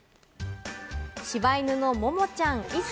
柴犬のモモちゃん、１歳。